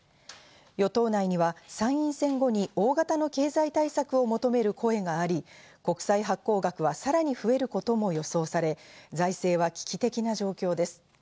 与党内には参院選後に大型の経済対策を求める声があり、国債発行額はさらに増えることも予想され、財政は危機的な状況です。